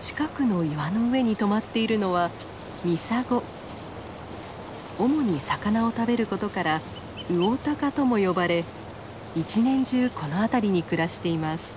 近くの岩の上に止まっているのは主に魚を食べることから「ウオタカ」とも呼ばれ一年中この辺りに暮らしています。